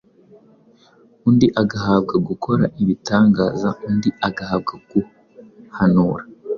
undi agahabwa gukora ibitangaza, undi agahabwa guhanura,